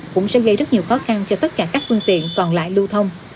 cũng sẽ gây rất nhiều khó khăn cho tất cả các phương tiện còn lại lưu thông